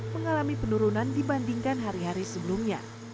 mengalami penurunan dibandingkan hari hari sebelumnya